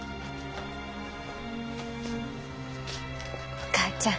お母ちゃん。